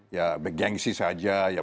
ya bergensi saja